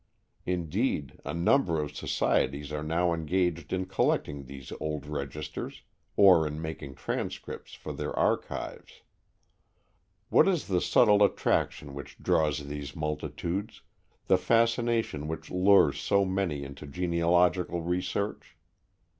Indeed, a number of societies are now engaged in collecting these old registers, or in making transcripts for their archives. What is the subtle attraction which draws these multitudes the fascination which lures so many into genealogical research?